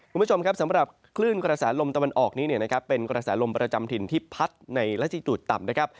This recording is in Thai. คุณผู้ชมครับสำหรับคลื่นกระแสลมตะวันออกนี้เนี่ยนะครับเป็นกระแสลมประจำถิ่นที่พัดในรัชิตูต่ำนะครับ